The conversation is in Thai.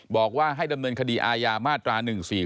บอกว่าให้ดำเนินคดีอาญามาตรา๑๔๔